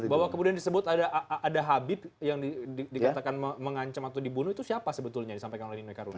bahwa kemudian disebut ada habib yang dikatakan mengancam atau dibunuh itu siapa sebetulnya disampaikan oleh ninoy karun